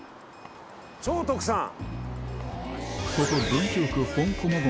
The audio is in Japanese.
兆徳さん。